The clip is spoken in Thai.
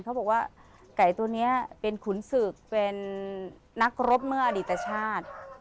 เขาบอกว่าไก่ตัวนี้เป็นขุนศึกเป็นนักรบเมื่ออดีตชาติ